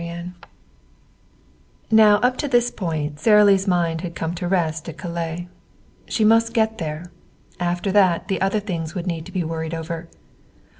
VII Now up to this point Sara Lee's mind had come to rest at Calais. She must get there; after that the other things would need to be worried over.